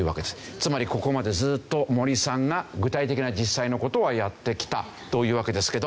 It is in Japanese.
つまりここまでずっと森さんが具体的な実際の事はやってきたというわけですけど。